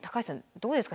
どうですか？